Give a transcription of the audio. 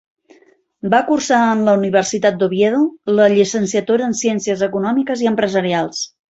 Va cursar en la Universitat d'Oviedo la llicenciatura en Ciències Econòmiques i Empresarials.